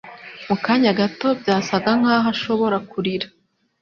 Mu kanya gato, byasaga nkaho ashobora kurira.